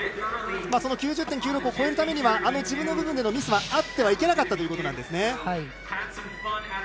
その９０．９６を超えるためにはあのジブの部分でのミスはあってはいけなかったということですね。